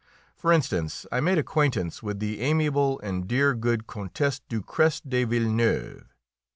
For instance, I made acquaintance with the amiable and dear good Countess Ducrest de Villeneuve.